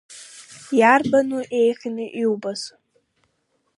Иарбану еиӷьны иубаз?